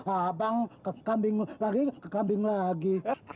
abang kekambing lagi kekambing lagi